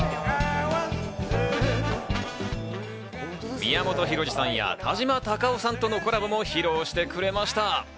宮本浩次さんや田島貴男さんとのコラボも披露してくれました。